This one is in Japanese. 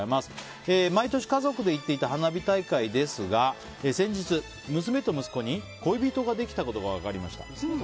毎年、家族で行っていた花火大会ですが先日、娘と息子に恋人ができたことが分かりまいた。